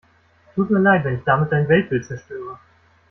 Tut mir leid, wenn ich damit dein Weltbild zerstöre.